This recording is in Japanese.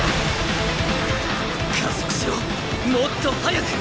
加速しろもっと速く！